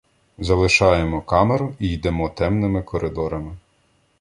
Залишаємо камеру і йдемо темними коридорами.